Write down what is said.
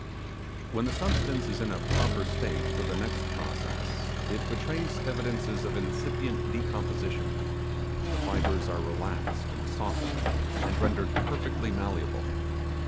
When the substance is in a proper state for the next process, it betrays evidences of incipient decomposition; the fibres are relaxed and softened, and rendered perfectly malleable.